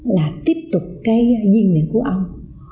là tiếp tục cái duy nguyện của ông